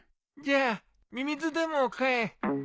じゃあミミズでも飼え。